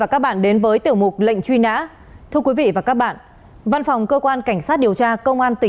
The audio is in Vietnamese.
cảm ơn quý vị và các bạn đã quan tâm theo dõi